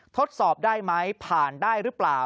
ทดสอบได้ไหมผ่านได้หรือเปล่า